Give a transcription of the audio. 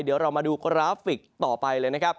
เดี๋ยวเรามาดูกราฟิกต่อไปเลย